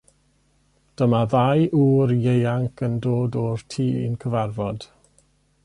Dyma ddau ŵr ieuanc yn dod o'r tŷ i'n cyfarfod.